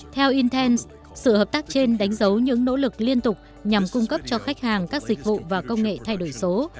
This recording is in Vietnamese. theo intence sự hợp tác trên đánh dấu những nỗ lực liên tục nhằm cung cấp cho khách hàng các dịch vụ và công nghệ thay đổi số